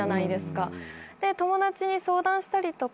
で友達に相談したりとか。